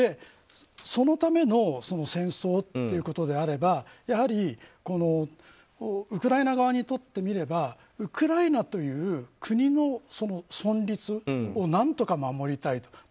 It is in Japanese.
そのための戦争っていうことであればやはりウクライナ側にとってみればウクライナという国の存立を何とか守りたいと。